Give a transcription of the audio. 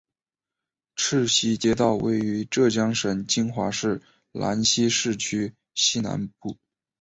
赤溪街道位于浙江省金华市兰溪市区西南部。